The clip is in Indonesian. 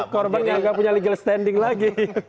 korban yang nggak punya legal standing lagi